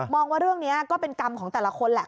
ว่าเรื่องนี้ก็เป็นกรรมของแต่ละคนแหละ